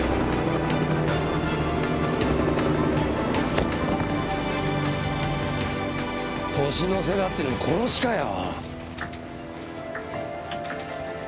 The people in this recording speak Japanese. ニトリ年の瀬だっていうのに殺しかよ。